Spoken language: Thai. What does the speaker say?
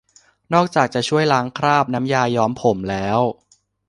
นอกจากจะช่วยล้างคราบน้ำยาย้อมผมแล้ว